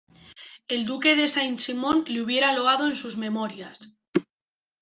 el Duque de Saint Simón le hubiera loado en sus Memorias